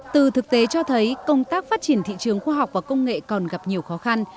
từ thực tế cho thấy công tác phát triển thị trường khoa học và công nghệ còn gặp nhiều khó khăn